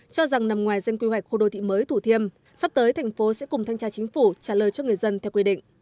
cho rằng nằm ngoài danh quy hoạch khu đô thị mới thủ thiêm sắp tới thành phố sẽ cùng thanh tra chính phủ trả lời cho người dân theo quy định